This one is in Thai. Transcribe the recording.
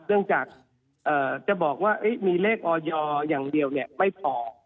เนื่องจากจะบอกว่ามีเลขออยอย่างเดียวไม่พอ